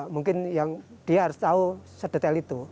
mungkin yang dia harus tahu sedetail itu